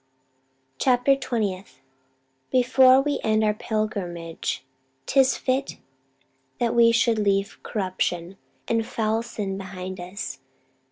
Chapter Twentieth. "Before We end our pilgrimage, 'tis fit that we Should leave corruption, and foul sin behind us.